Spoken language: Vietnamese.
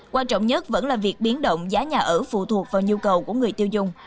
quan trọng nhất vẫn là việc biến động giá nhà ở phụ thuộc vào nhu cầu của người tiêu dùng